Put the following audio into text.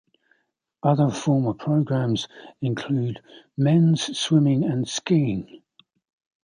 Other former programs include men's swimming and skiing.